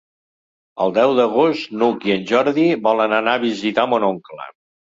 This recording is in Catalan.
El deu d'agost n'Hug i en Jordi volen anar a visitar mon oncle.